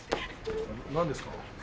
何ですか？